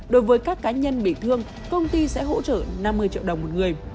đối với các cá nhân bị thương công ty sẽ hỗ trợ năm mươi triệu đồng một người